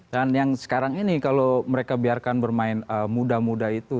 dan yang sekarang ini kalau mereka biarkan bermain muda muda itu